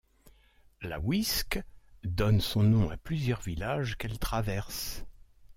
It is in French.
La Wiske donne son nom à plusieurs villages qu'elle traverse.